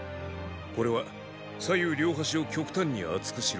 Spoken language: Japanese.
これは左右両端を極端に厚くしろ。